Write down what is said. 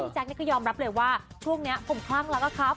แจ็คกันยอมรับเลยว่าช่วงนี้ผมข้างแล้วก็ครับ